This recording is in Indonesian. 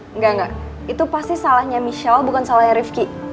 enggak enggak itu pasti salahnya michelle bukan salahnya rifki